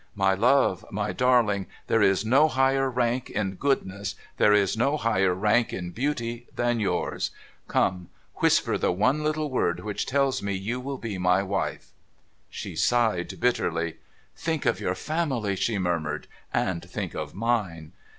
My love, my darling, there is no higher rank in goodness, there is no higher rank in beauty, than yours ! Come ! whisper the one little word which tells me you will be my wife !' She sighed bitterly. ' Think of your family,' she murmured ;' and think of mine